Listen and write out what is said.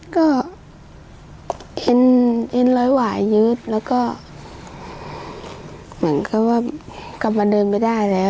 ก็เอ็นเอ็นร้อยหวายยืดแล้วก็เหมือนเขาว่ากลับมาเดินไม่ได้แล้ว